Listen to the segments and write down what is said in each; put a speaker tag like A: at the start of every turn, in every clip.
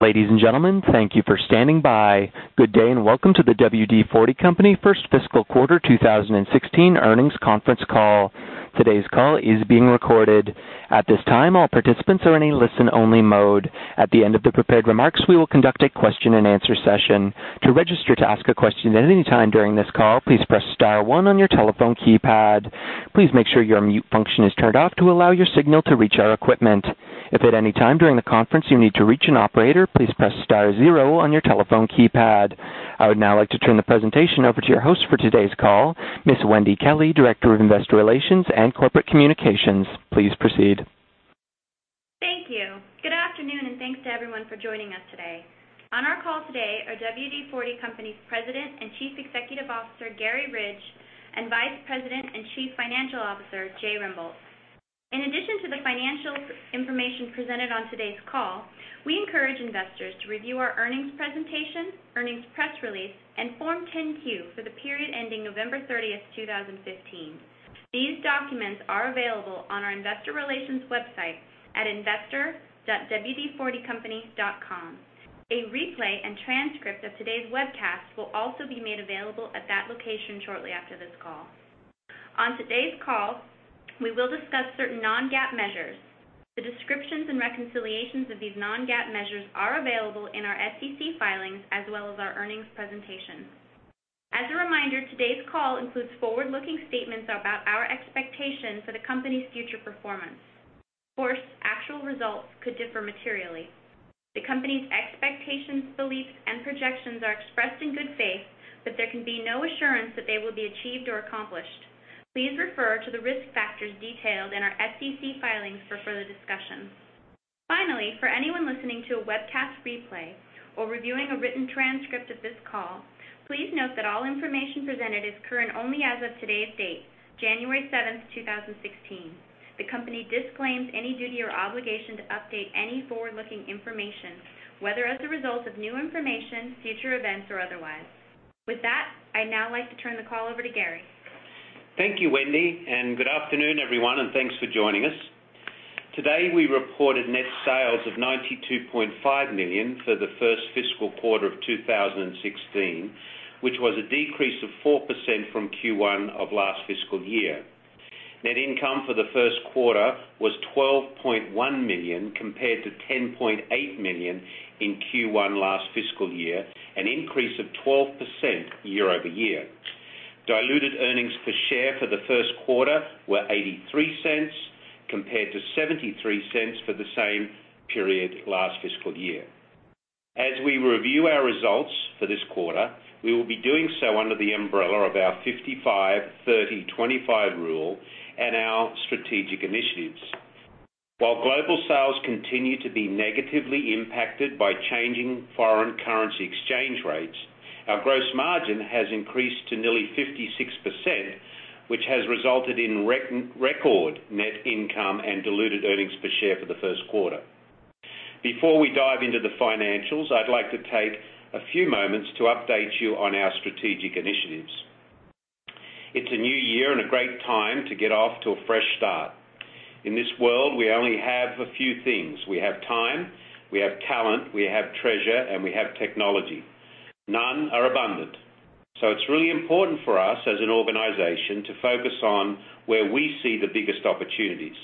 A: Ladies and gentlemen, thank you for standing by. Good day, and welcome to the WD-40 Company first fiscal quarter 2016 earnings conference call. Today's call is being recorded. At this time, all participants are in a listen-only mode. At the end of the prepared remarks, we will conduct a question-and-answer session. To register to ask a question at any time during this call, please press star one on your telephone keypad. Please make sure your mute function is turned off to allow your signal to reach our equipment. If at any time during the conference you need to reach an operator, please press star zero on your telephone keypad. I would now like to turn the presentation over to your host for today's call, Ms. Wendy Kelley, Director of Investor Relations and Corporate Communications. Please proceed.
B: Thank you. Good afternoon, and thanks to everyone for joining us today. On our call today are WD-40 Company's President and Chief Executive Officer, Garry Ridge, and Vice President and Chief Financial Officer, Jay Rembolt. In addition to the financial information presented on today's call, we encourage investors to review our earnings presentation, earnings press release, and Form 10-Q for the period ending November 30th, 2015. These documents are available on our investor relations website at investor.wd40company.com. A replay and transcript of today's webcast will also be made available at that location shortly after this call. On today's call, we will discuss certain non-GAAP measures. The descriptions and reconciliations of these non-GAAP measures are available in our SEC filings as well as our earnings presentation. As a reminder, today's call includes forward-looking statements about our expectations for the company's future performance. Of course, actual results could differ materially. The company's expectations, beliefs, and projections are expressed in good faith, but there can be no assurance that they will be achieved or accomplished. Please refer to the risk factors detailed in our SEC filings for further discussion. Finally, for anyone listening to a webcast replay or reviewing a written transcript of this call, please note that all information presented is current only as of today's date, January 7th, 2016. The company disclaims any duty or obligation to update any forward-looking information, whether as a result of new information, future events, or otherwise. With that, I'd now like to turn the call over to Garry.
C: Thank you, Wendy, and good afternoon, everyone, and thanks for joining us. Today, we reported net sales of $92.5 million for the first fiscal quarter of 2016, which was a decrease of 4% from Q1 of last fiscal year. Net income for the first quarter was $12.1 million compared to $10.8 million in Q1 last fiscal year, an increase of 12% year-over-year. Diluted earnings per share for the first quarter were $0.83 compared to $0.73 for the same period last fiscal year. As we review our results for this quarter, we will be doing so under the umbrella of our 55:30:25 rule and our strategic initiatives. While global sales continue to be negatively impacted by changing foreign currency exchange rates, our gross margin has increased to nearly 56%, which has resulted in record net income and diluted earnings per share for the first quarter. Before we dive into the financials, I'd like to take a few moments to update you on our strategic initiatives. It's a new year and a great time to get off to a fresh start. In this world, we only have a few things. We have time, we have talent, we have treasure, and we have technology. None are abundant, so it's really important for us as an organization to focus on where we see the biggest opportunities.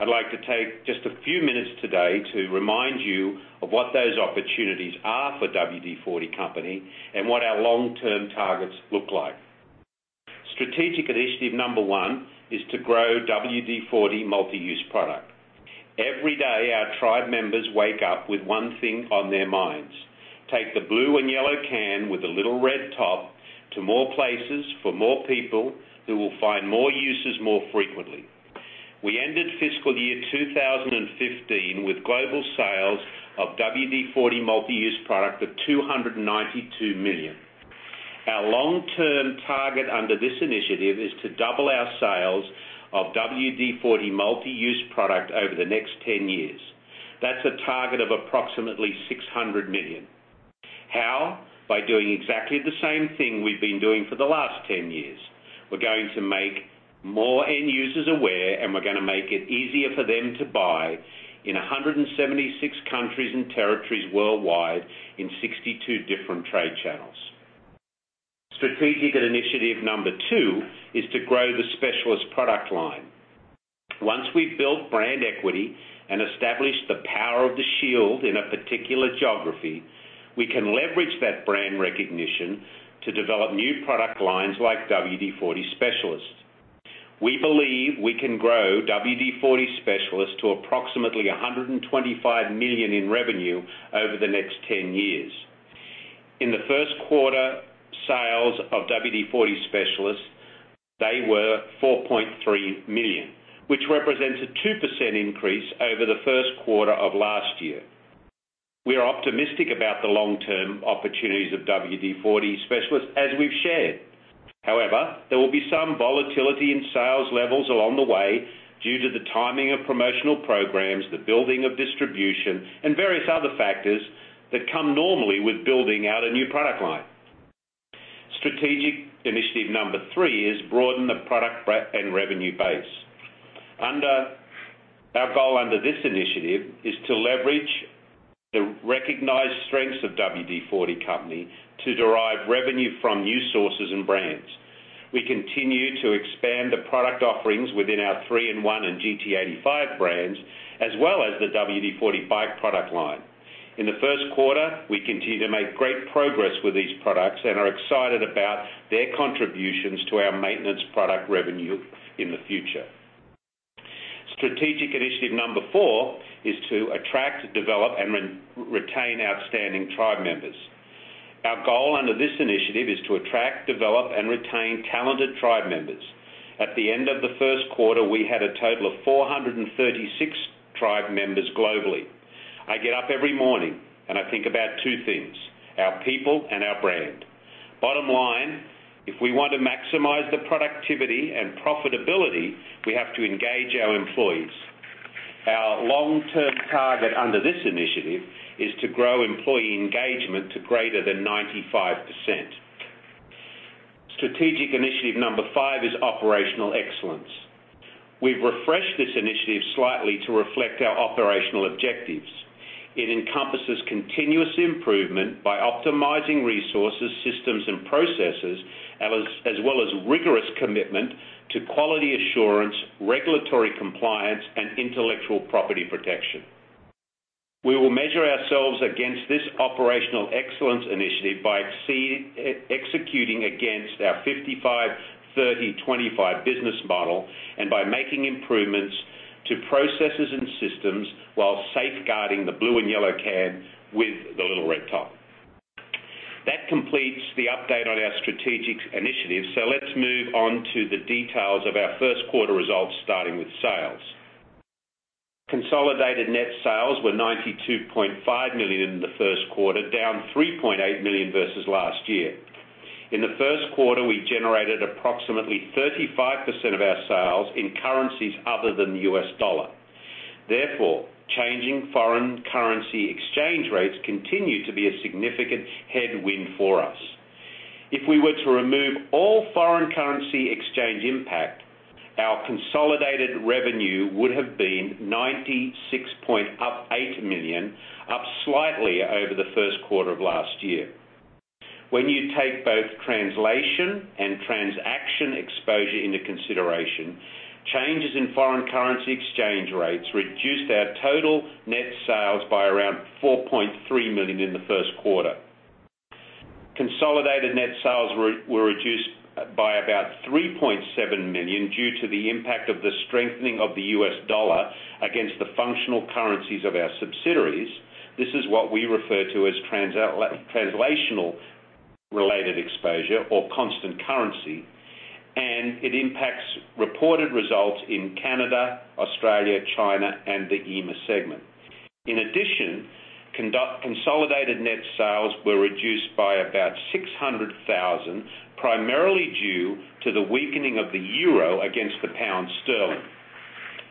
C: I'd like to take just a few minutes today to remind you of what those opportunities are for WD-40 Company and what our long-term targets look like. Strategic initiative number one is to grow WD-40 Multi-Use Product. Every day, our tribe members wake up with one thing on their minds, take the blue and yellow can with the little red top to more places for more people who will find more uses more frequently. We ended fiscal year 2015 with global sales of WD-40 Multi-Use Product of $292 million. Our long-term target under this initiative is to double our sales of WD-40 Multi-Use Product over the next 10 years. That's a target of approximately $600 million. How? By doing exactly the same thing we've been doing for the last 10 years. We're going to make more end users aware, and we're going to make it easier for them to buy in 176 countries and territories worldwide in 62 different trade channels. Strategic initiative number two is to grow the Specialist product line. Once we've built brand equity and established the power of the shield in a particular geography, we can leverage that brand recognition to develop new product lines like WD-40 Specialist. We believe we can grow WD-40 Specialist to approximately $125 million in revenue over the next 10 years. In the first quarter, sales of WD-40 Specialist, they were $4.3 million, which represents a 2% increase over the first quarter of last year. We are optimistic about the long-term opportunities of WD-40 Specialist, as we've shared. However, there will be some volatility in sales levels along the way due to the timing of promotional programs, the building of distribution, and various other factors that come normally with building out a new product line. Strategic initiative number three is broaden the product and revenue base. Our goal under this initiative is to leverage the recognized strengths of WD-40 Company to derive revenue from new sources and brands. We continue to expand the product offerings within our 3-IN-ONE and GT85 brands, as well as the WD-40 BIKE product line. In the first quarter, we continue to make great progress with these products and are excited about their contributions to our maintenance product revenue in the future. Strategic initiative number four is to attract, develop, and retain outstanding tribe members. Our goal under this initiative is to attract, develop, and retain talented tribe members. At the end of the first quarter, we had a total of 436 tribe members globally. I get up every morning and I think about two things, our people and our brand. Bottom line, if we want to maximize the productivity and profitability, we have to engage our employees. Our long-term target under this initiative is to grow employee engagement to greater than 95%. Strategic initiative number five is operational excellence. We've refreshed this initiative slightly to reflect our operational objectives. It encompasses continuous improvement by optimizing resources, systems, and processes, as well as rigorous commitment to quality assurance, regulatory compliance, and intellectual property protection. We will measure ourselves against this operational excellence initiative by executing against our 55:30:25 business model, and by making improvements to processes and systems while safeguarding the blue and yellow can with the little red top. That completes the update on our strategic initiatives. Let's move on to the details of our first quarter results, starting with sales. Consolidated net sales were $92.5 million in the first quarter, down $3.8 million versus last year. In the first quarter, we generated approximately 35% of our sales in currencies other than the US dollar. Changing foreign currency exchange rates continue to be a significant headwind for us. If we were to remove all foreign currency exchange impact, our consolidated revenue would have been $96.8 million, up slightly over the first quarter of last year. When you take both translation and transaction exposure into consideration, changes in foreign currency exchange rates reduced our total net sales by around $4.3 million in the first quarter. Consolidated net sales were reduced by about $3.7 million due to the impact of the strengthening of the US dollar against the functional currencies of our subsidiaries. This is what we refer to as translational-related exposure or constant currency, and it impacts reported results in Canada, Australia, China, and the EMEA segment. In addition, consolidated net sales were reduced by about $600,000, primarily due to the weakening of the euro against the pound sterling.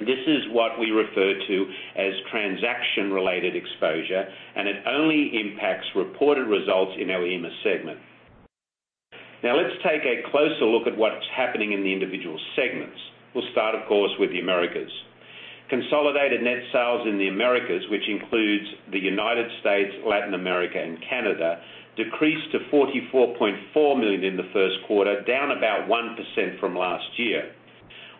C: This is what we refer to as transaction-related exposure, and it only impacts reported results in our EMEA segment. Let's take a closer look at what's happening in the individual segments. We'll start, of course, with the Americas. Consolidated net sales in the Americas, which includes the United States, Latin America, and Canada, decreased to $44.4 million in the first quarter, down about 1% from last year.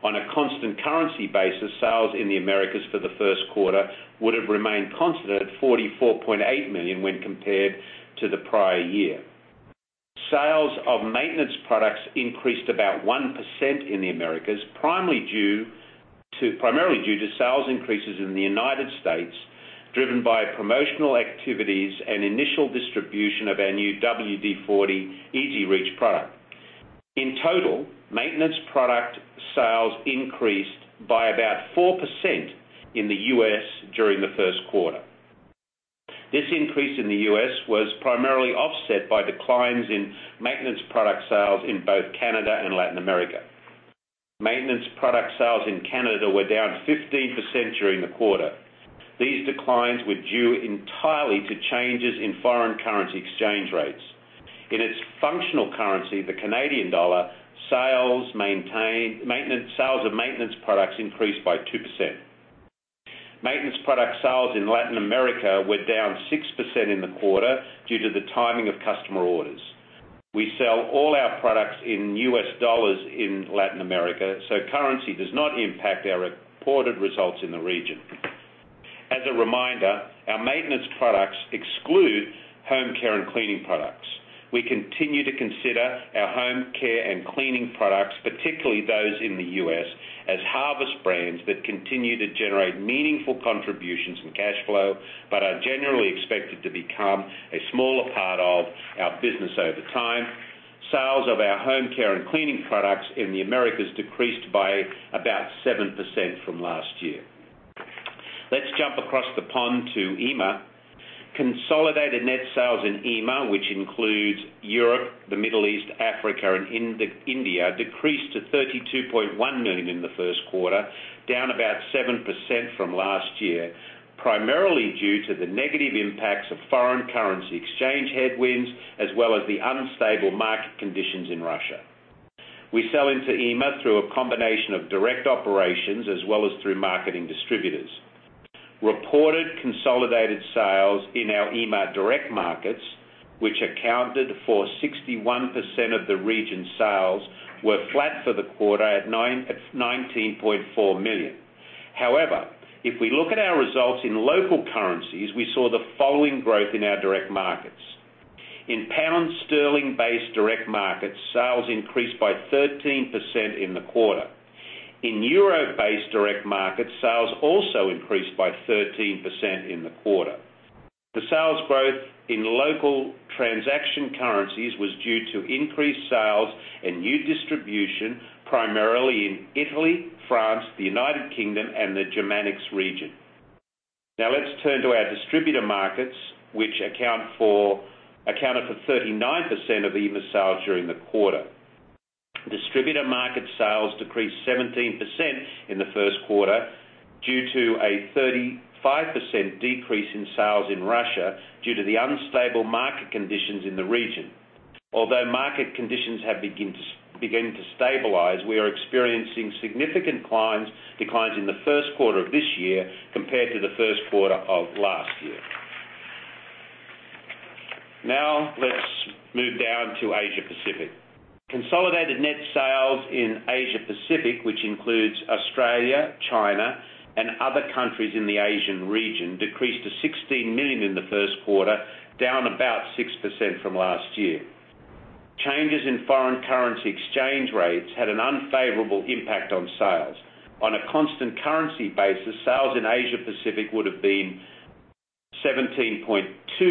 C: On a constant currency basis, sales in the Americas for the first quarter would have remained constant at $44.8 million when compared to the prior year. Sales of maintenance products increased about 1% in the Americas, primarily due to sales increases in the United States, driven by promotional activities and initial distribution of our new WD-40 EZ-REACH product. In total, maintenance product sales increased by about 4% in the U.S. during the first quarter. This increase in the U.S. was primarily offset by declines in maintenance product sales in both Canada and Latin America. Maintenance product sales in Canada were down 15% during the quarter. These declines were due entirely to changes in foreign currency exchange rates. In its functional currency, the Canadian dollar, sales of maintenance products increased by 2%. Maintenance product sales in Latin America were down 6% in the quarter due to the timing of customer orders. We sell all our products in U.S. dollars in Latin America, so currency does not impact our reported results in the region. As a reminder, our maintenance products exclude home care and cleaning products. We continue to consider our home care and cleaning products, particularly those in the U.S., as harvest brands that continue to generate meaningful contributions and cash flow, but are generally expected to become a smaller part of our business over time. Sales of our home care and cleaning products in the Americas decreased by about 7% from last year. Let's jump across the pond to EMEA. Consolidated net sales in EMEA, which includes Europe, the Middle East, Africa, and India, decreased to $32.1 million in the first quarter, down about 7% from last year. Primarily due to the negative impacts of foreign currency exchange headwinds, as well as the unstable market conditions in Russia. We sell into EMEA through a combination of direct operations as well as through marketing distributors. Reported consolidated sales in our EMEA direct markets, which accounted for 61% of the region's sales, were flat for the quarter at $19.4 million. However, if we look at our results in local currencies, we saw the following growth in our direct markets. In pound sterling-based direct markets, sales increased by 13% in the quarter. In euro-based direct markets, sales also increased by 13% in the quarter. The sales growth in local transaction currencies was due to increased sales and new distribution, primarily in Italy, France, the United Kingdom, and the Germanics region. Now let's turn to our distributor markets, which accounted for 39% of EMEA sales during the quarter. Distributor market sales decreased 17% in the first quarter due to a 35% decrease in sales in Russia due to the unstable market conditions in the region. Although market conditions have begun to stabilize, we are experiencing significant declines in the first quarter of this year compared to the first quarter of last year. Now let's move down to Asia Pacific. Consolidated net sales in Asia Pacific, which includes Australia, China, and other countries in the Asian region, decreased to $16 million in the first quarter, down about 6% from last year. Changes in foreign currency exchange rates had an unfavorable impact on sales. On a constant currency basis, sales in Asia Pacific would've been $17.2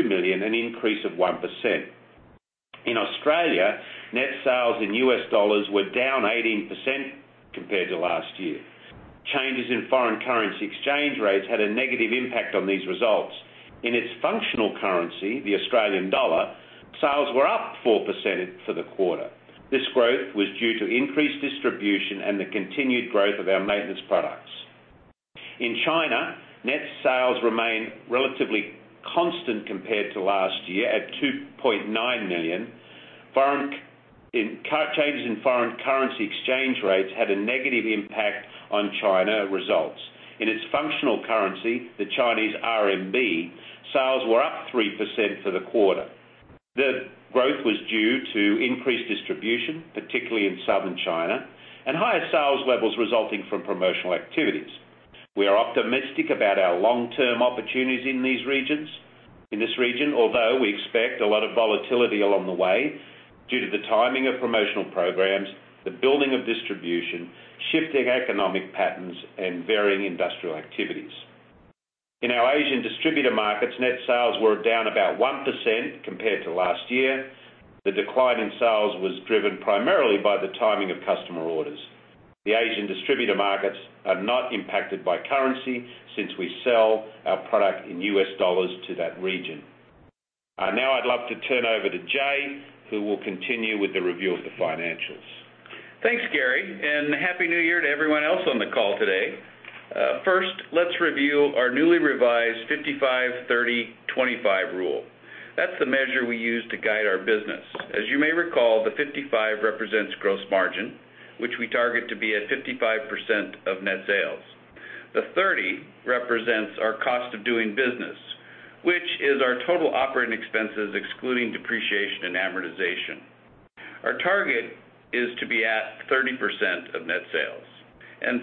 C: million, an increase of 1%. In Australia, net sales in U.S. dollars were down 18% compared to last year. Changes in foreign currency exchange rates had a negative impact on these results. In its functional currency, the Australian dollar, sales were up 4% for the quarter. This growth was due to increased distribution and the continued growth of our maintenance products. In China, net sales remained relatively constant compared to last year at $2.9 million. Changes in foreign currency exchange rates had a negative impact on China results. In its functional currency, the Chinese RMB, sales were up 3% for the quarter. The growth was due to increased distribution, particularly in southern China, and higher sales levels resulting from promotional activities. We are optimistic about our long-term opportunities in this region, although we expect a lot of volatility along the way due to the timing of promotional programs, the building of distribution, shifting economic patterns, and varying industrial activities. In our Asian distributor markets, net sales were down about 1% compared to last year. The decline in sales was driven primarily by the timing of customer orders. The Asian distributor markets are not impacted by currency since we sell our product in U.S. dollars to that region. I'd love to turn over to Jay, who will continue with the review of the financials.
D: Thanks, Garry, Happy New Year to everyone else on the call today. Let's review our newly revised 55:30:25 rule. That's the measure we use to guide our business. As you may recall, the 55 represents gross margin, which we target to be at 55% of net sales. The 30 represents our cost of doing business, which is our total operating expenses, excluding depreciation and amortization. Our target is to be at 30% of net sales.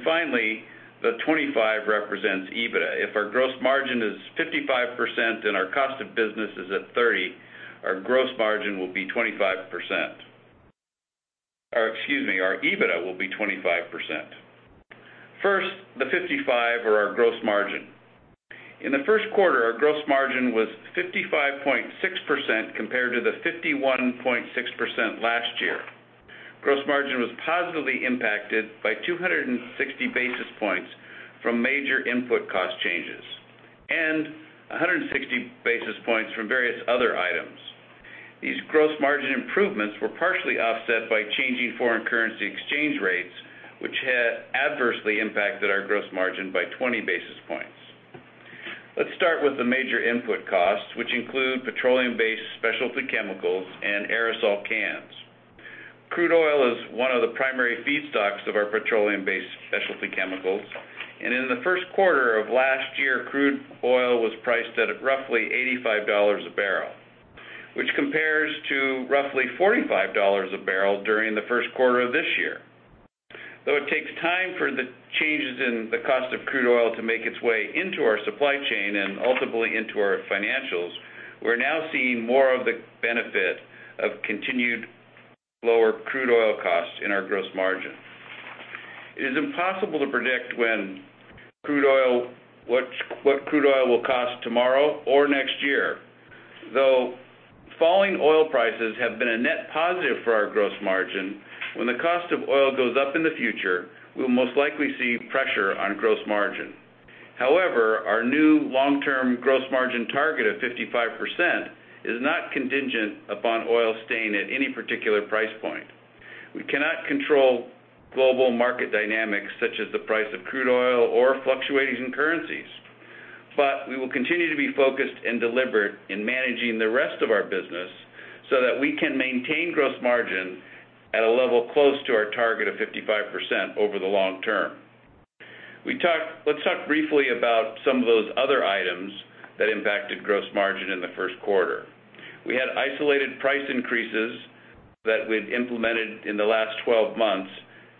D: Finally, the 25 represents EBITDA. If our gross margin is 55% and our cost of business is at 30%, our gross margin will be 25%. Excuse me, our EBITDA will be 25%. The 55 or our gross margin. In the first quarter, our gross margin was 55.6% compared to the 51.6% last year. Gross margin was positively impacted by 260 basis points from major input cost changes and 160 basis points from various other items. These gross margin improvements were partially offset by changing foreign currency exchange rates, which had adversely impacted our gross margin by 20 basis points. Let's start with the major input costs, which include petroleum-based specialty chemicals and aerosol cans. Crude oil is one of the primary feedstocks of our petroleum-based specialty chemicals, in the first quarter of last year, crude oil was priced at roughly $85 a barrel, which compares to roughly $45 a barrel during the first quarter of this year. It takes time for the changes in the cost of crude oil to make its way into our supply chain and ultimately into our financials, we're now seeing more of the benefit of continued lower crude oil costs in our gross margin. It is impossible to predict what crude oil will cost tomorrow or next year. Falling oil prices have been a net positive for our gross margin, when the cost of oil goes up in the future, we'll most likely see pressure on gross margin. Our new long-term gross margin target of 55% is not contingent upon oil staying at any particular price point. We cannot control global market dynamics such as the price of crude oil or fluctuations in currencies. We will continue to be focused and deliberate in managing the rest of our business so that we can maintain gross margin at a level close to our target of 55% over the long term. Let's talk briefly about some of those other items that impacted gross margin in the first quarter. We had isolated price increases that we had implemented in the last 12 months,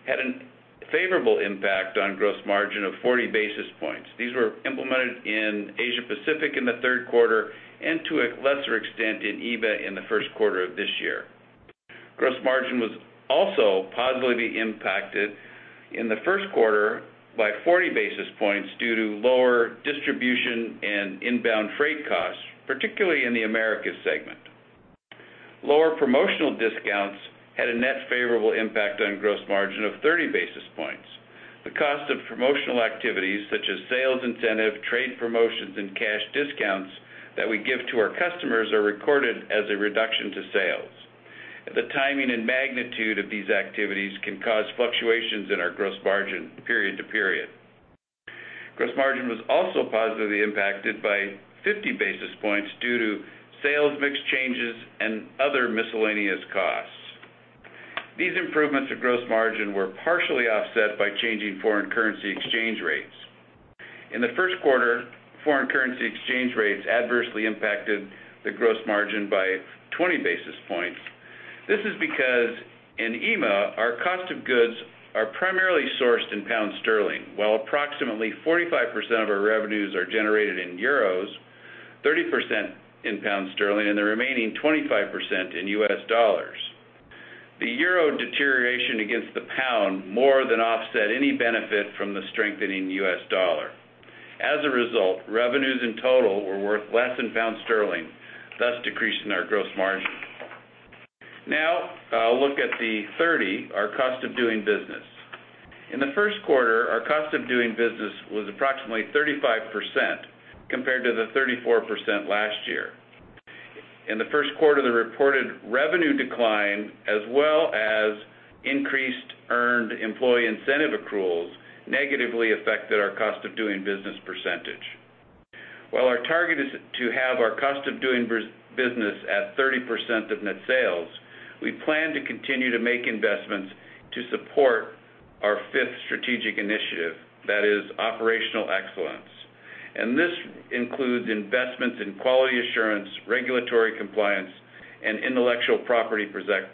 D: had a favorable impact on gross margin of 40 basis points. These were implemented in Asia Pacific in the third quarter and to a lesser extent in EMEA in the first quarter of this year. Gross margin was also positively impacted in the first quarter by 40 basis points due to lower distribution and inbound freight costs, particularly in the Americas segment. Lower promotional discounts had a net favorable impact on gross margin of 30 basis points. The cost of promotional activities such as sales incentive, trade promotions, and cash discounts that we give to our customers are recorded as a reduction to sales. The timing and magnitude of these activities can cause fluctuations in our gross margin period to period. Gross margin was also positively impacted by 50 basis points due to sales mix changes and other miscellaneous costs. These improvements of gross margin were partially offset by changing foreign currency exchange rates. In the first quarter, foreign currency exchange rates adversely impacted the gross margin by 20 basis points. This is because in EMEA, our cost of goods are primarily sourced in GBP, while approximately 45% of our revenues are generated in EUR, 30% in GBP, and the remaining 25% in USD. The EUR deterioration against the GBP more than offset any benefit from the strengthening USD. As a result, revenues in total were worth less in GBP, thus decreasing our gross margin. A look at the 30, our cost of doing business. In the first quarter, our cost of doing business was approximately 35% compared to 34% last year. In the first quarter, the reported revenue decline as well as increased earned employee incentive accruals negatively affected our cost of doing business percentage. While our target is to have our cost of doing business at 30% of net sales, we plan to continue to make investments to support our fifth strategic initiative, that is operational excellence. This includes investments in quality assurance, regulatory compliance, and intellectual property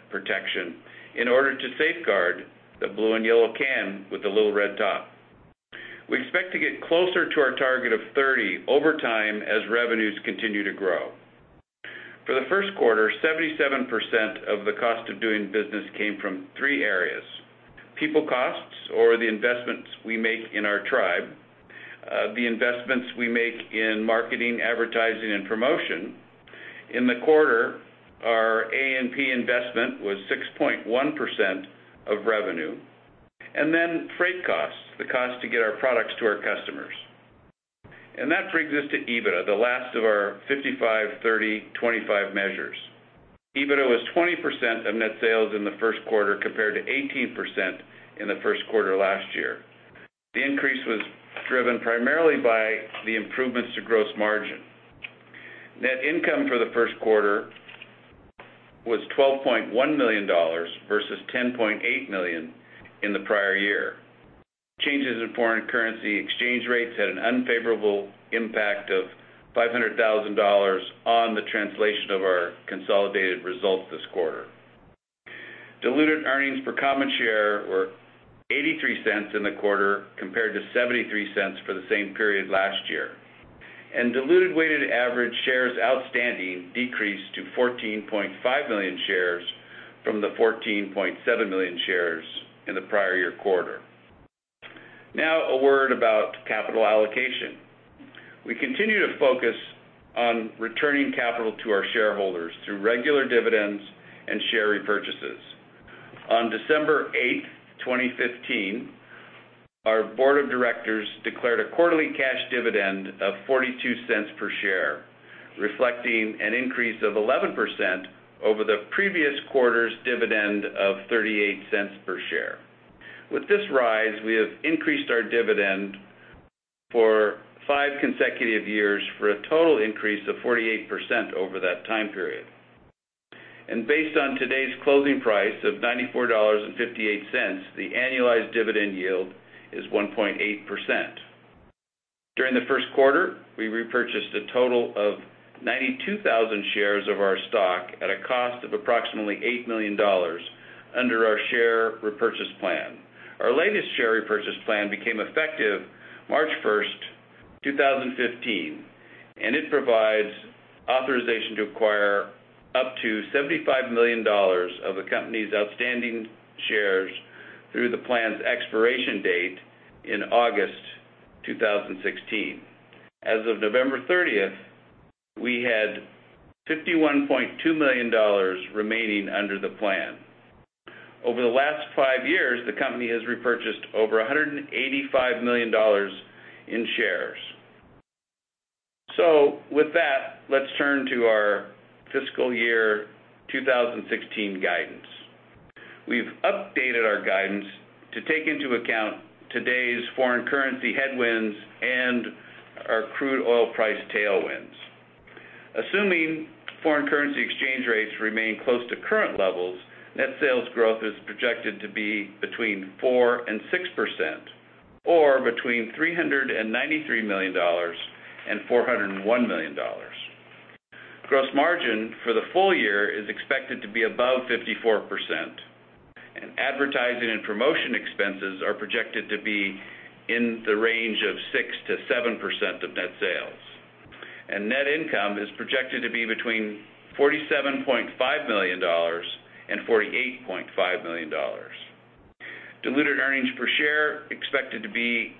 D: protection in order to safeguard the blue and yellow can with the little red top. We expect to get closer to our target of 30 over time as revenues continue to grow. For the first quarter, 77% of the cost of doing business came from three areas. People costs, or the investments we make in our tribe. The investments we make in marketing, advertising, and promotion. In the quarter, our A&P investment was 6.1% of revenue. Freight costs, the cost to get our products to our customers. That brings us to EBITDA, the last of our 55:30:25 measures. EBITDA was 20% of net sales in the first quarter, compared to 18% in the first quarter last year. The increase was driven primarily by the improvements to gross margin. Net income for the first quarter was $12.1 million versus $10.8 million in the prior year. Changes in foreign currency exchange rates had an unfavorable impact of $500,000 on the translation of our consolidated results this quarter. Diluted earnings per common share were $0.83 in the quarter, compared to $0.73 for the same period last year. Diluted weighted average shares outstanding decreased to 14.5 million shares from the 14.7 million shares in the prior year quarter. A word about capital allocation. We continue to focus on returning capital to our shareholders through regular dividends and share repurchases. On December 8, 2015, our board of directors declared a quarterly cash dividend of $0.42 per share, reflecting an increase of 11% over the previous quarter's dividend of $0.38 per share. With this rise, we have increased our dividend for five consecutive years for a total increase of 48% over that time period. Based on today's closing price of $94.58, the annualized dividend yield is 1.8%. During the first quarter, we repurchased a total of 92,000 shares of our stock at a cost of approximately $8 million under our share repurchase plan. Our latest share repurchase plan became effective March 1, 2015, and it provides authorization to acquire up to $75 million of the company's outstanding shares through the plan's expiration date in August 2016. As of November 30th, we had $51.2 million remaining under the plan. Over the last five years, the company has repurchased over $185 million in shares. With that, let's turn to our fiscal year 2016 guidance. We've updated our guidance to take into account today's foreign currency headwinds and our crude oil price tailwinds. Assuming foreign currency exchange rates remain close to current levels, net sales growth is projected to be between 4% and 6%, or between $393 million and $401 million. Gross margin for the full year is expected to be above 54%, and advertising and promotion expenses are projected to be in the range of 6%-7% of net sales. Net income is projected to be between $47.5 million and $48.5 million. Diluted earnings per share expected to be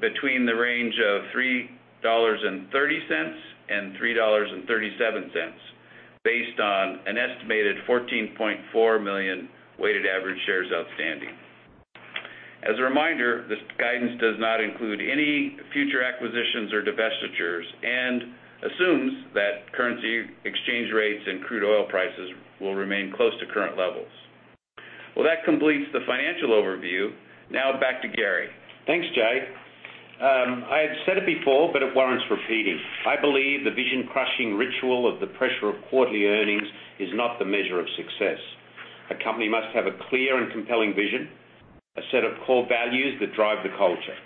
D: between the range of $3.30 and $3.37, based on an estimated 14.4 million weighted average shares outstanding. As a reminder, this guidance does not include any future acquisitions or divestitures and assumes that currency exchange rates and crude oil prices will remain close to current levels. That completes the financial overview. Now back to Garry.
C: Thanks, Jay. I had said it before, but it warrants repeating. I believe the vision-crushing ritual of the pressure of quarterly earnings is not the measure of success. A company must have a clear and compelling vision, a set of core values that drive the culture.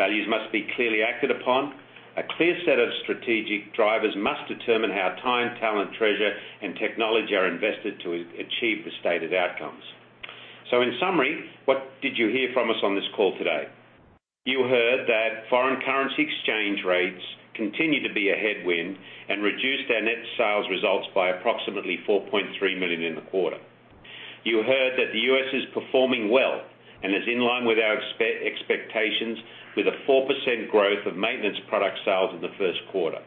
C: Values must be clearly acted upon. A clear set of strategic drivers must determine how time, talent, treasure, and technology are invested to achieve the stated outcomes. In summary, what did you hear from us on this call today? You heard that foreign currency exchange rates continue to be a headwind and reduced our net sales results by approximately $4.3 million in the quarter. You heard that the U.S. is performing well and is in line with our expectations, with a 4% growth of maintenance product sales in the first quarter.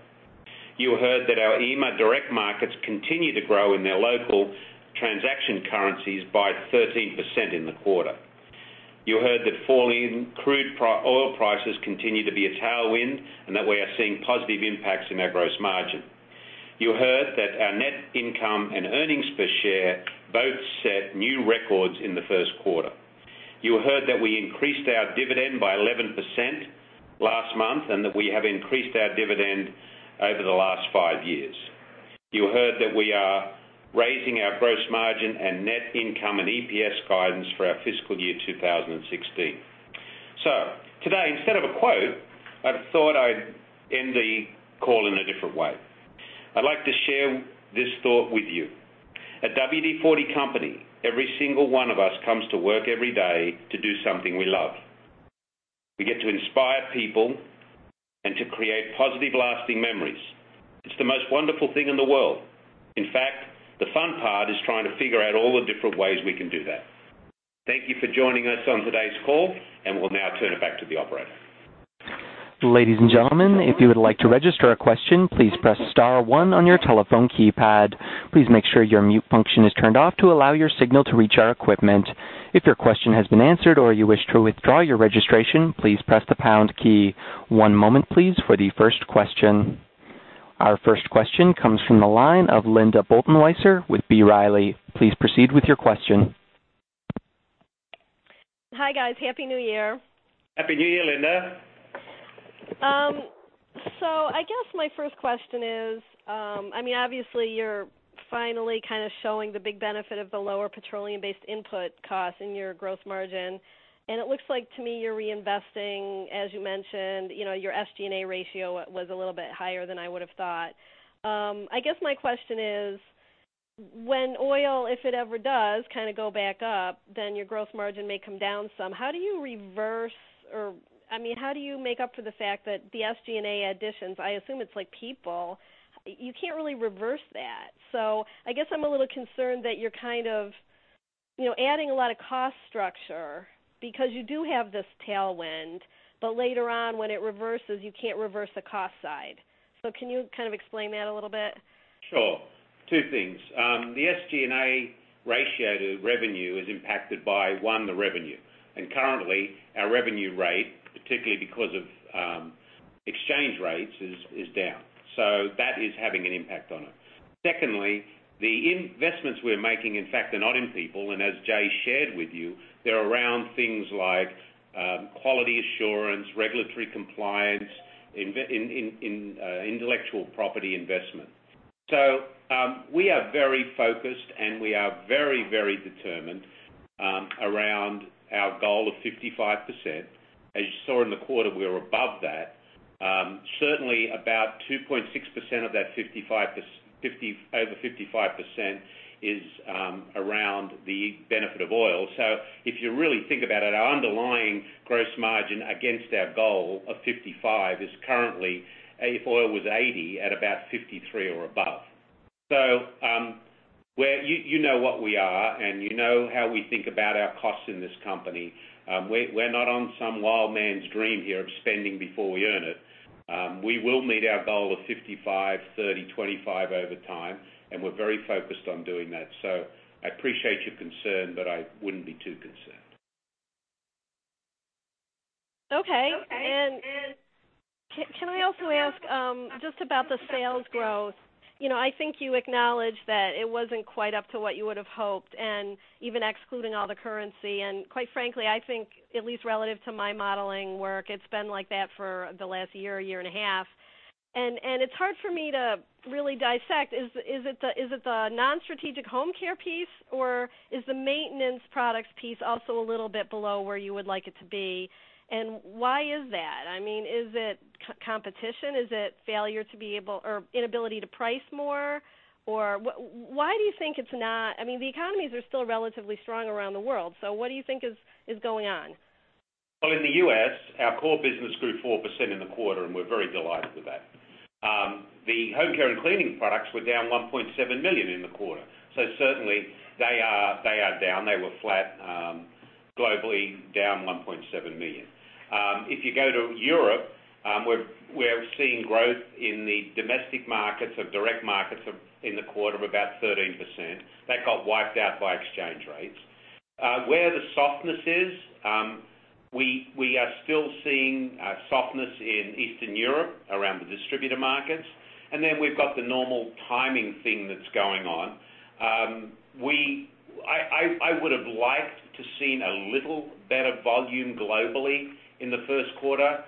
C: You heard that our EMEA direct markets continue to grow in their local transaction currencies by 13% in the quarter. You heard that falling crude oil prices continue to be a tailwind, and that we are seeing positive impacts in our gross margin. You heard that our net income and earnings per share both set new records in the first quarter. You heard that we increased our dividend by 11% last month, and that we have increased our dividend over the last five years. Today, instead of a quote, I thought I'd end the call in a different way. I'd like to share this thought with you. At WD-40 Company, every single one of us comes to work every day to do something we love. We get to inspire people and to create positive, lasting memories. It's the most wonderful thing in the world. In fact, the fun part is trying to figure out all the different ways we can do that. Thank you for joining us on today's call, we'll now turn it back to the operator.
A: Ladies and gentlemen, if you would like to register a question, please press *1 on your telephone keypad. Please make sure your mute function is turned off to allow your signal to reach our equipment. If your question has been answered or you wish to withdraw your registration, please press the # key. One moment, please, for the first question. Our first question comes from the line of Linda Bolton-Weiser with B. Riley. Please proceed with your question.
E: Hi, guys. Happy New Year.
C: Happy New Year, Linda.
E: I guess my first question is, obviously, you're finally kind of showing the big benefit of the lower petroleum-based input costs in your gross margin, and it looks like to me you're reinvesting, as you mentioned, your SG&A ratio was a little bit higher than I would have thought. I guess my question is, when oil, if it ever does, kind of go back up, then your gross margin may come down some. How do you reverse, or how do you make up for the fact that the SG&A additions, I assume it's people, you can't really reverse that. I guess I'm a little concerned that you're kind of adding a lot of cost structure because you do have this tailwind, but later on when it reverses, you can't reverse the cost side. Can you kind of explain that a little bit?
C: Sure. Two things. The SG&A ratio to revenue is impacted by, one, the revenue, and currently our revenue rate, particularly because of exchange rates, is down. That is having an impact on it. Secondly, the investments we're making, in fact, are not in people, and as Jay shared with you, they're around things like quality assurance, regulatory compliance, intellectual property investment. We are very focused and we are very determined around our goal of 55%. As you saw in the quarter, we were above that. Certainly about 2.6% of that over 55% is around the benefit of oil. If you really think about it, our underlying gross margin against our goal of 55% is currently, if oil was $80, at about 53% or above. You know what we are, and you know how we think about our costs in this company. We're not on some wild man's dream here of spending before we earn it. We will meet our goal of 55%, 30%, 25% over time, and we're very focused on doing that. I appreciate your concern, but I wouldn't be too concerned.
E: Okay. Can I also ask just about the sales growth? I think you acknowledged that it wasn't quite up to what you would have hoped and even excluding all the currency, and quite frankly, I think at least relative to my modeling work, it's been like that for the last year and a half. It's hard for me to really dissect. Is it the non-strategic home care piece, or is the maintenance products piece also a little bit below where you would like it to be? Why is that? Is it competition? Is it failure to be able or inability to price more? Why do you think it's not? The economies are still relatively strong around the world. What do you think is going on?
C: Well, in the U.S., our core business grew 4% in the quarter, and we're very delighted with that. The home care and cleaning products were down $1.7 million in the quarter. Certainly they are down. They were flat, globally down $1.7 million. If you go to Europe, we're seeing growth in the domestic markets, our direct markets in the quarter of about 13%. That got wiped out by exchange rates. Where the softness is, we are still seeing softness in Eastern Europe around the distributor markets. Then we've got the normal timing thing that's going on. I would have liked to seen a little better volume globally in the first quarter.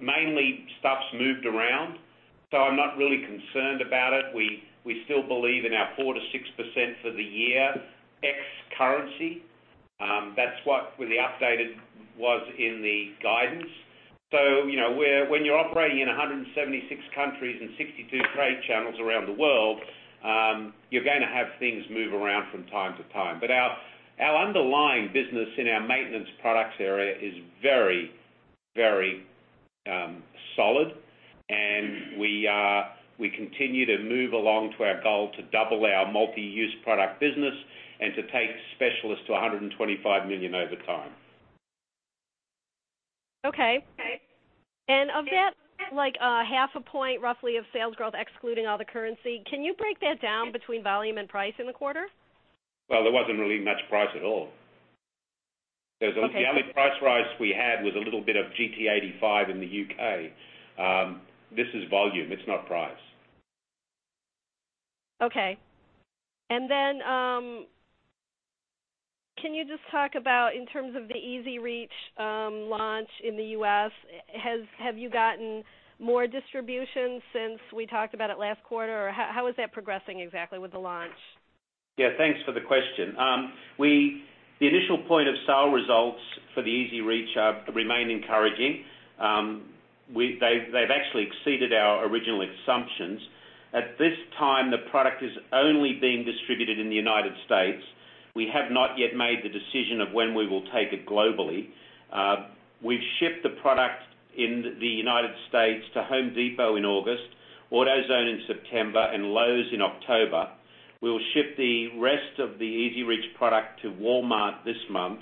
C: Mainly stuff's moved around, so I'm not really concerned about it. We still believe in our 4%-6% for the year ex currency. That's what the updated was in the guidance. When you're operating in 176 countries and 62 trade channels around the world, you're going to have things move around from time to time. Our underlying business in our maintenance products area is very solid, and we continue to move along to our goal to double our Multi-Use Product business and to take Specialist to $125 million over time.
E: Okay. Of that, half a point roughly of sales growth, excluding all the currency, can you break that down between volume and price in the quarter?
C: Well, there wasn't really much price at all.
E: Okay.
C: The only price rise we had was a little bit of GT85 in the U.K. This is volume. It's not price.
E: Can you just talk about in terms of the WD-40 EZ-REACH launch in the U.S., have you gotten more distribution since we talked about it last quarter, or how is that progressing exactly with the launch?
C: Yeah, thanks for the question. The initial point of sale results for the WD-40 EZ-REACH remain encouraging. They've actually exceeded our original assumptions. At this time, the product is only being distributed in the United States. We have not yet made the decision of when we will take it globally. We've shipped the product in the United States to The Home Depot in August, AutoZone in September, and Lowe's in October. We'll ship the rest of the WD-40 EZ-REACH product to Walmart this month,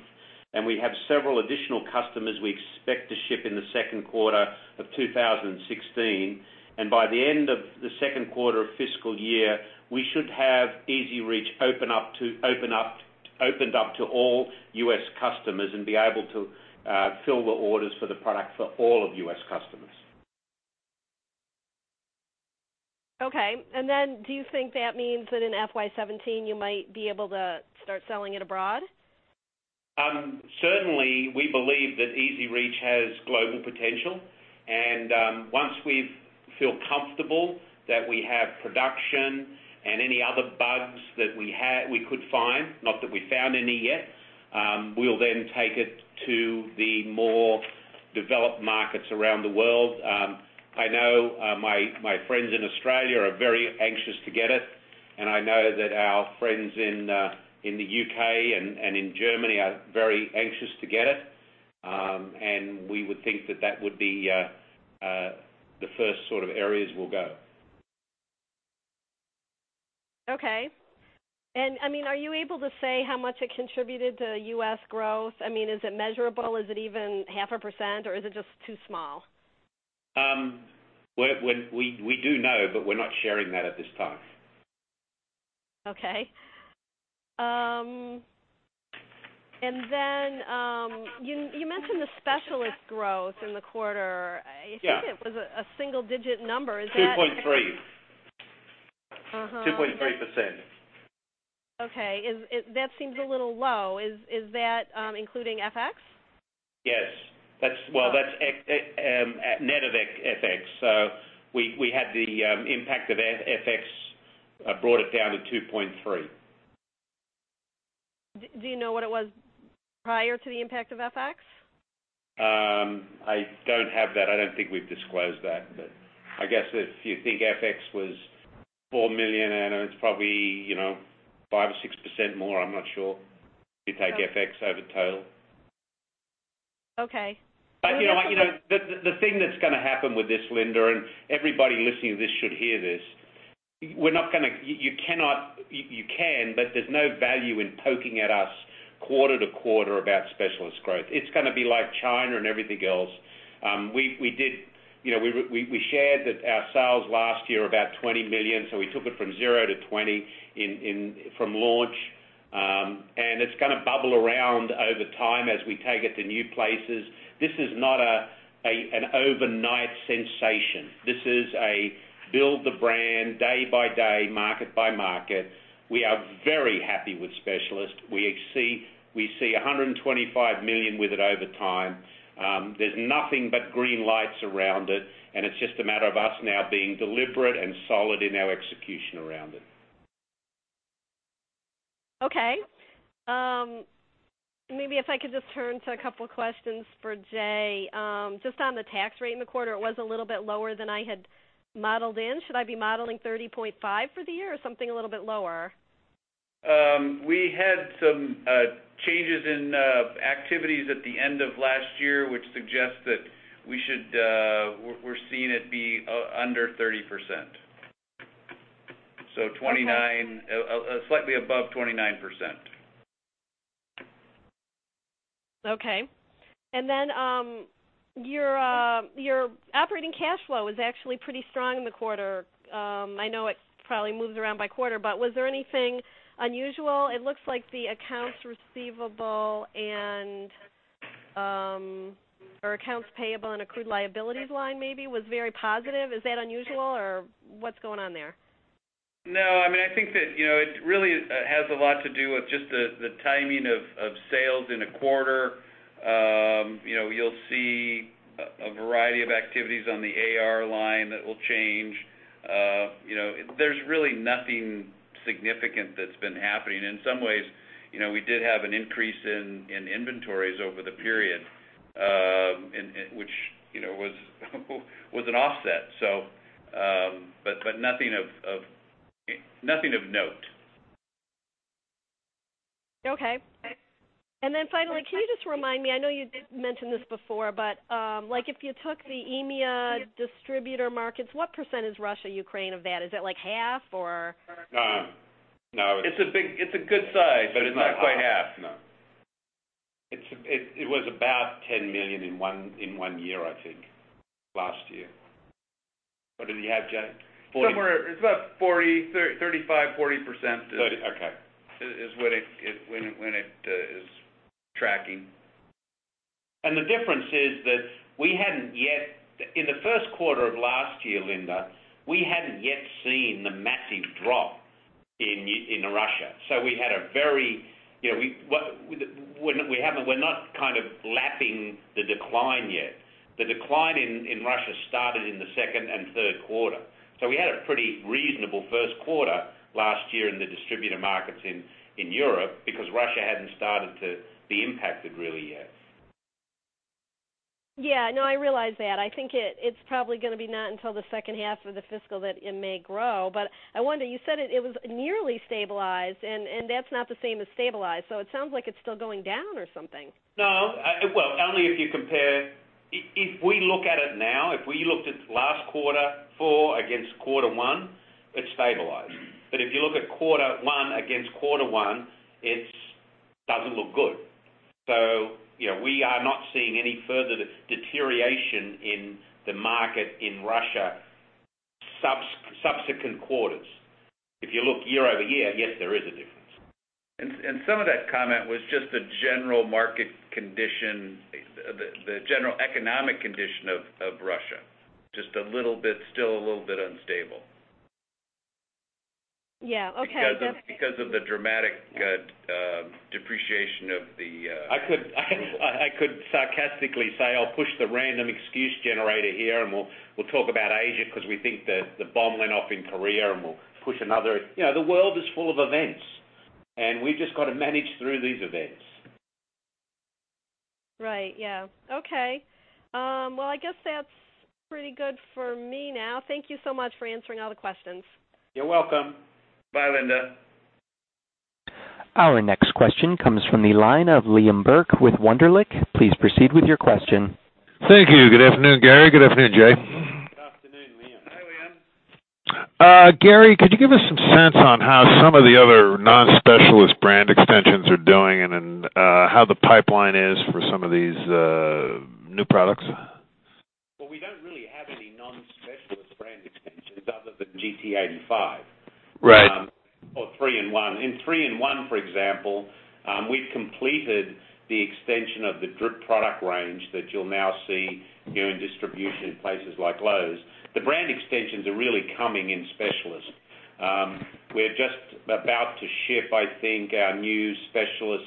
C: and we have several additional customers we expect to ship in the second quarter of 2016. By the end of the second quarter of fiscal year, we should have WD-40 EZ-REACH opened up to all U.S. customers and be able to fill the orders for the product for all of U.S. customers.
E: Okay. Do you think that means that in FY 2017 you might be able to start selling it abroad?
C: Certainly, we believe that EZ-REACH has global potential. Once we feel comfortable that we have production and any other bugs that we could find, not that we found any yet, we'll then take it to the more developed markets around the world. I know my friends in Australia are very anxious to get it, I know that our friends in the U.K. and in Germany are very anxious to get it. We would think that that would be the first sort of areas we'll go.
E: Okay. Are you able to say how much it contributed to U.S. growth? Is it measurable? Is it even 0.5%, or is it just too small?
C: We do know, but we're not sharing that at this time.
E: Okay. Then, you mentioned the Specialist growth in the quarter.
C: Yeah.
E: I think it was a single-digit number. Is that-
C: 2.3 2.3%.
E: Okay. That seems a little low. Is that including FX?
C: Yes. Well, that's net of FX. We had the impact of FX, brought it down to 2.3.
E: Do you know what it was prior to the impact of FX?
C: I don't have that. I don't think we've disclosed that. I guess if you think FX was $4 million, and it's probably 5% or 6% more, I'm not sure. If you take FX over total.
E: Okay.
C: The thing that's going to happen with this, Linda, and everybody listening to this should hear this. You can, but there's no value in poking at us quarter-to-quarter about Specialist growth. It's going to be like China and everything else. We shared that our sales last year were about $20 million, so we took it from zero to 20 from launch. It's going to bubble around over time as we take it to new places. This is not an overnight sensation. This is a build the brand day by day, market by market. We are very happy with Specialist. We see $125 million with it over time. There's nothing but green lights around it, and it's just a matter of us now being deliberate and solid in our execution around it.
E: Okay. Maybe if I could just turn to a couple questions for Jay. Just on the tax rate in the quarter, it was a little bit lower than I had modeled in. Should I be modeling 30.5% for the year or something a little bit lower?
D: We had some changes in activities at the end of last year, which suggest that we're seeing it be under 30%.
E: Okay.
D: Slightly above 29%.
E: Your operating cash flow was actually pretty strong in the quarter. I know it probably moves around by quarter, but was there anything unusual? It looks like the accounts receivable and, or accounts payable and accrued liabilities line maybe was very positive. Is that unusual, or what's going on there?
D: No, I think that it really has a lot to do with just the timing of sales in a quarter. You'll see a variety of activities on the AR line that will change. There's really nothing significant that's been happening. In some ways, we did have an increase in inventories over the period, which was an offset. Nothing of note.
E: Okay. Finally, can you just remind me, I know you did mention this before, but if you took the EMEA distributor markets, what % is Russia, Ukraine of that? Is it like half or?
C: No.
D: It's a good size.
C: It's not quite half, no. It was about $10 million in one year, I think, last year. What did you have, Jay?
D: Somewhere, it's about 35%-40%.
C: 30, okay
D: is when it is tracking.
C: The difference is that we hadn't yet, in the first quarter of last year, Linda, we hadn't yet seen the massive drop in Russia. We're not kind of lapping the decline yet. The decline in Russia started in the second and third quarter. We had a pretty reasonable first quarter last year in the distributor markets in Europe because Russia hadn't started to be impacted really yet.
E: Yeah, no, I realize that. I think it's probably going to be not until the second half of the fiscal that it may grow. I wonder, you said it was nearly stabilized, and that's not the same as stabilized, so it sounds like it's still going down or something.
C: No. Well, only if you compare. If we look at it now, if we looked at last quarter four against quarter one, it's stabilized. If you look at quarter one against quarter one, it doesn't look good. We are not seeing any further deterioration in the market in Russia subsequent quarters. If you look year-over-year, yes, there is a difference.
D: Some of that comment was just the general market condition, the general economic condition of Russia, just still a little bit unstable.
E: Yeah. Okay.
D: Of the dramatic depreciation of the-
C: I could sarcastically say I'll push the random excuse generator here, and we'll talk about Asia because we think the bomb went off in Korea, and we'll push another. The world is full of events, and we've just got to manage through these events.
E: Right. Yeah. Okay. Well, I guess that's pretty good for me now. Thank you so much for answering all the questions.
C: You're welcome. Bye, Linda.
A: Our next question comes from the line of Liam Burke with Wunderlich. Please proceed with your question.
F: Thank you. Good afternoon, Garry. Good afternoon, Jay.
C: Good afternoon, Liam.
D: Hey, Liam.
F: Garry, could you give us some sense on how some of the other non-Specialist brand extensions are doing, and then how the pipeline is for some of these new products?
C: Well, we don't really have any non-Specialist brand extensions other than GT85.
F: Right.
C: 3-IN-ONE. In 3-IN-ONE, for example, we've completed the extension of the drip product range that you'll now see in distribution in places like Lowe's. The brand extensions are really coming in Specialist. We're just about to ship, I think, our new Specialist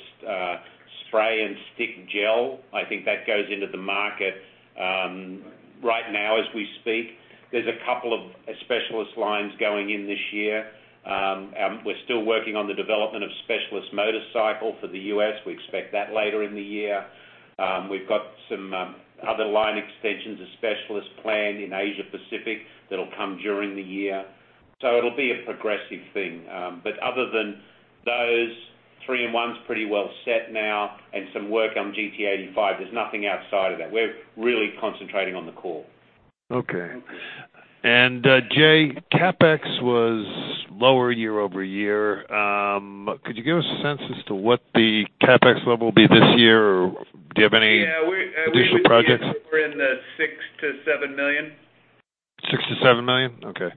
C: spray and stay gel. I think that goes into the market right now as we speak. There's a couple of Specialist lines going in this year. We're still working on the development of Specialist motorcycle for the U.S. We expect that later in the year. We've got some other line extensions of Specialist planned in Asia Pacific that'll come during the year. It'll be a progressive thing. Other than those, 3-IN-ONEs pretty well set now, and some work on GT85. There's nothing outside of that. We're really concentrating on the core.
F: Okay. Jay, CapEx was lower year-over-year. Could you give us a sense as to what the CapEx level will be this year, or do you have any additional projects?
D: Yeah, we're in the six to seven million.
F: $6 million-$7 million? Okay.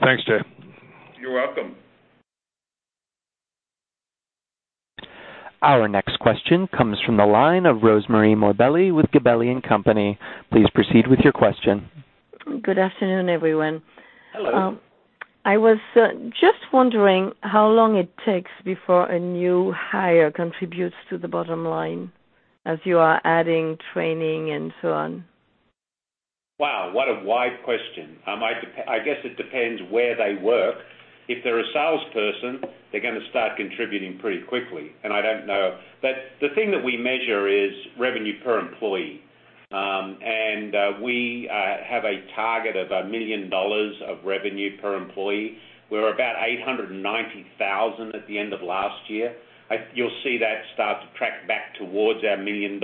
F: Thanks, Jay.
D: You're welcome.
A: Our next question comes from the line of Rosemarie Morbelli with Gabelli & Company. Please proceed with your question.
G: Good afternoon, everyone.
C: Hello.
G: I was just wondering how long it takes before a new hire contributes to the bottom line, as you are adding training and so on.
C: Wow, what a wide question. I guess it depends where they work. If they're a salesperson, they're going to start contributing pretty quickly. I don't know. The thing that we measure is revenue per employee. We have a target of $1 million of revenue per employee. We're about 890,000 at the end of last year. You'll see that start to track back towards our $1 million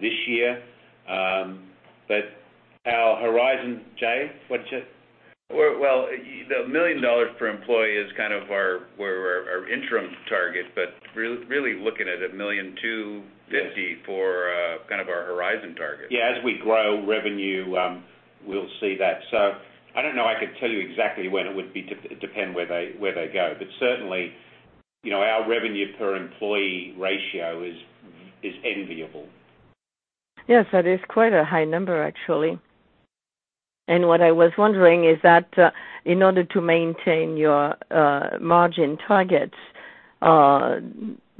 C: this year. Our horizon, Jay, what?
D: Well, the $1 million per employee is kind of our interim target, but really looking at $1.25 million- Yes For kind of our horizon target.
C: As we grow revenue, we'll see that. I don't know I could tell you exactly when. It would depend where they go. Certainly, our revenue per employee ratio is enviable.
G: That is quite a high number, actually. What I was wondering is that, in order to maintain your margin targets,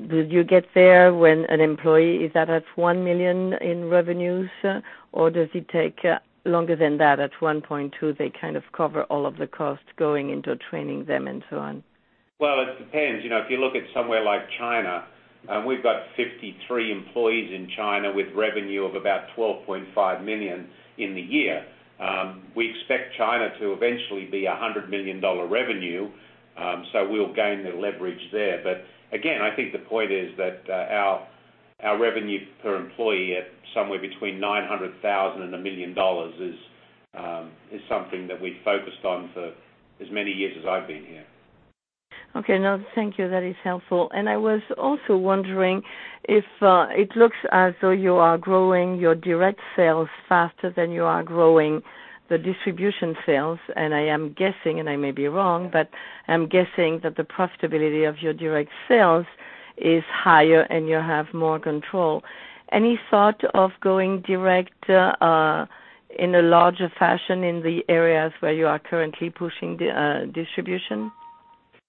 G: did you get there when an employee is at a 1 million in revenues? Does it take longer than that? At 1.2, they kind of cover all of the costs going into training them and so on.
C: It depends. If you look at somewhere like China, we've got 53 employees in China with revenue of about 12.5 million in the year. We expect China to eventually be $100 million revenue, so we'll gain the leverage there. Again, I think the point is that our revenue per employee at somewhere between 900,000 and a million dollars is something that we've focused on for as many years as I've been here.
G: No, thank you. That is helpful. I was also wondering if it looks as though you are growing your direct sales faster than you are growing the distribution sales, and I am guessing, and I may be wrong, but I'm guessing that the profitability of your direct sales is higher and you have more control. Any thought of going direct in a larger fashion in the areas where you are currently pushing distribution?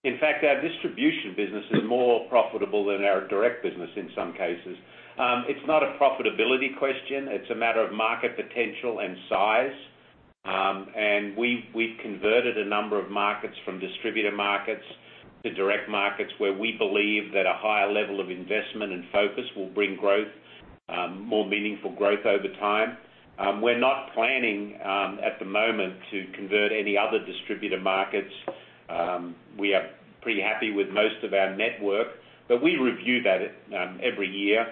C: In fact, our distribution business is more profitable than our direct business in some cases. It's not a profitability question, it's a matter of market potential and size. And we've converted a number of markets from distributor markets to direct markets where we believe that a higher level of investment and focus will bring more meaningful growth over time. We're not planning at the moment to convert any other distributor markets. We are pretty happy with most of our network, but we review that every year.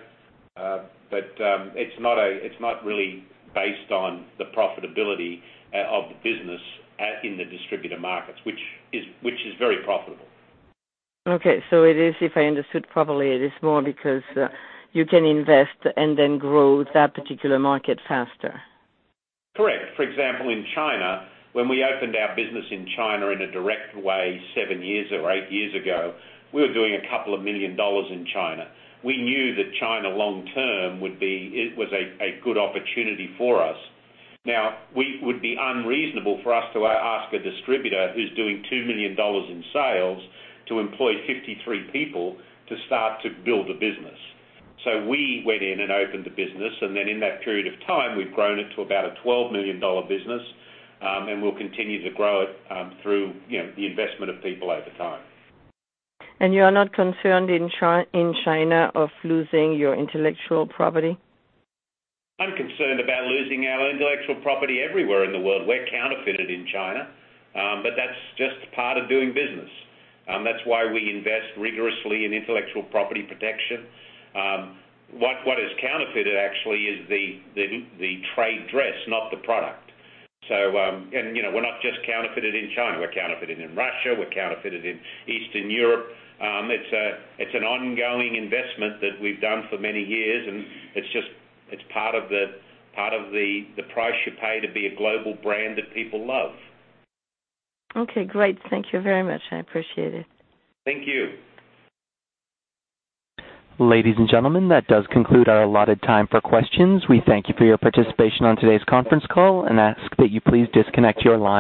C: But it's not really based on the profitability of the business in the distributor markets, which is very profitable.
G: Okay. If I understood properly, it is more because you can invest and then grow that particular market faster.
C: Correct. For example, in China, when we opened our business in China in a direct way seven years or eight years ago, we were doing a couple of million dollars in China. We knew that China long term was a good opportunity for us. Now, it would be unreasonable for us to ask a distributor who's doing $2 million in sales to employ 53 people to start to build a business. So we went in and opened the business, and then in that period of time, we've grown it to about a $12 million business, and we'll continue to grow it through the investment of people over time.
G: You are not concerned in China of losing your intellectual property?
C: I'm concerned about losing our intellectual property everywhere in the world. We're counterfeited in China, but that's just part of doing business. That's why we invest rigorously in intellectual property protection. What is counterfeited actually is the trade dress, not the product. We're not just counterfeited in China, we're counterfeited in Russia, we're counterfeited in Eastern Europe. It's an ongoing investment that we've done for many years, and it's part of the price you pay to be a global brand that people love.
G: Okay, great. Thank you very much. I appreciate it.
C: Thank you.
A: Ladies and gentlemen, that does conclude our allotted time for questions. We thank you for your participation on today's conference call and ask that you please disconnect your line.